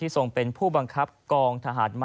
ที่มีโอกาสได้ไปชม